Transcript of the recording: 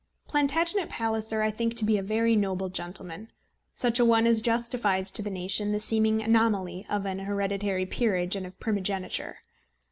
Plantagenet Palliser I think to be a very noble gentleman, such a one as justifies to the nation the seeming anomaly of an hereditary peerage and of primogeniture.